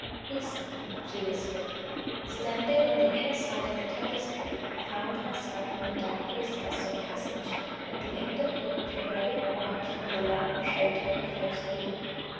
"Listen!" she whispered. Standing on the inner side of the tapestry, I found myself in a dark recess or passage, at the end of which a ray of light from the lamp showed me a closed door.